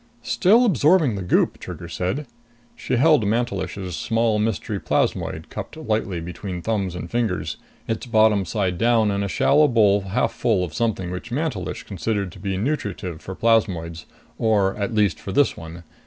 "Still absorbing the goop," Trigger said. She held Mantelish's small mystery plasmoid cupped lightly between thumbs and fingers, its bottom side down in a shallow bowl half full of something which Mantelish considered to be nutritive for plasmoids, or at least for this one.